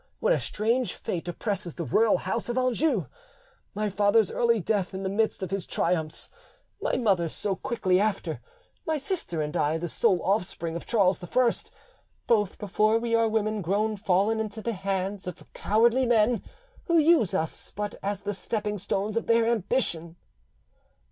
what a strange fate oppresses the royal house of Anjou! My father's early death in the midst of his triumphs; my mother's so quickly after; my sister and I, the sole offspring of Charles I, both before we are women grown fallen into the hands of cowardly men, who use us but as the stepping stones of their ambition!"